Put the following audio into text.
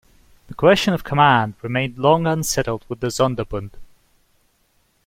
The question of command remained long unsettled with the Sonderbund.